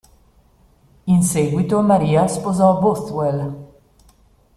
In seguito Maria sposò Bothwell.